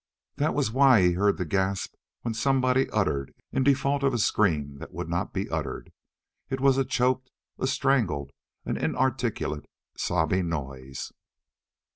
That was why he heard the gasp which somebody uttered in default of a scream that would not be uttered. It was a choked, a strangled, an inarticulate sobbing noise.